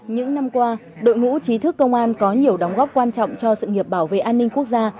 những năm qua đội ngũ trí thức công an có nhiều đóng góp quan trọng cho sự nghiệp bảo vệ an ninh quốc gia